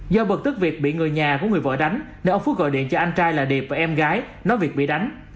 do bật tức việc bị người nhà của người vợ đánh nên ông phước gọi điện cho anh trai là điệp và em gái nói việc bị đánh